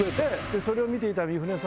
それを見ていた三船さん